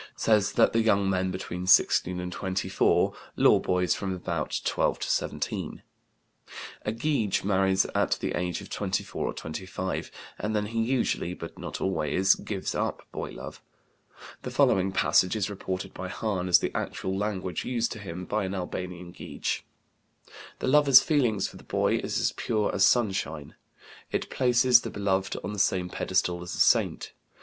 166), says that the young men between 16 and 24 lore boys from about 12 to 17. A Gege marries at the age of 24 or 25, and then he usually, but not always, gives up boy love. The following passage is reported by Hahn as the actual language used to him by an Albanian Gege: "The lover's feeling for the boy is pure as sunshine. It places the beloved on the same pedestal as a saint.